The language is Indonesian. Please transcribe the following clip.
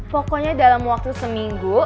pokoknya dalam waktu seminggu